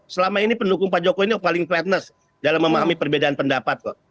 selama ini pendukung pak jokowi ini paling fairness dalam memahami perbedaan pendapat kok